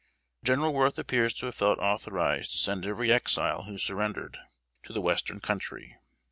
General Worth appears to have felt authorized to send every Exile who surrendered, to the Western Country.